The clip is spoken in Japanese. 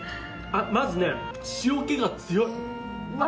まずね、塩気が強い。